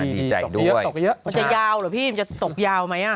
ดีใจด้วยจะยาวหรือพี่จะตกยาวไหม